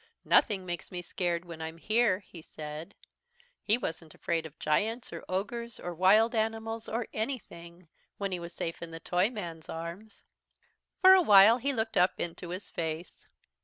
"Nothing makes me scared when I'm here," he said. He wasn't afraid of giants, or ogres, or wild animals, or anything, when he was safe in the Toyman's arms. For a while he looked up into his face.